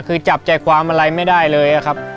คือจับใจความอะไรไม่ได้เลยครับ